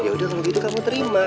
yaudah kalau gitu kamu terima